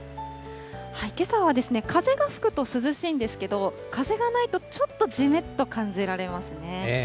けさは、風が吹くと涼しいんですけど、風がないと、ちょっとじめっと感じられますね。